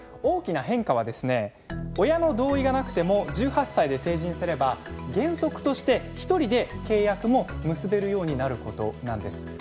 大きな変化はですね親の同意がなくても１８歳で成人すれば原則として一人で契約も結べるようになることなんです。